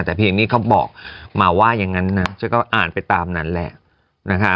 แต่เพลงนี้เขาบอกมาว่าอย่างนั้นนะฉันก็อ่านไปตามนั้นแหละนะคะ